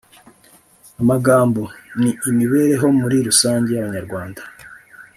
amagambo) ni imibereho muri rusange y’Abanyarwanda